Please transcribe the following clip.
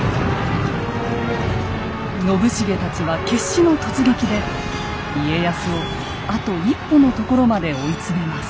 信繁たちは決死の突撃で家康をあと一歩のところまで追い詰めます。